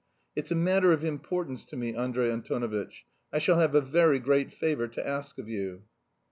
It's a matter of importance to me, Andrey Antonovitch. I shall have a very great favour to ask of you."